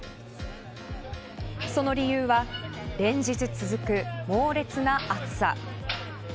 その理由は連日続く猛烈な暑さ。